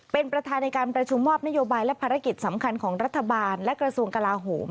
เป็นประธานในการประชุมมอบนโยบายและภารกิจสำคัญของรัฐบาลและกระทรวงกลาโหม